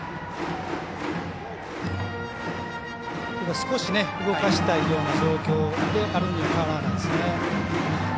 少し動かしたい状況であることは変わらないですね。